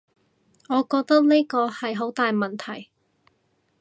我覺得呢個係個好大問題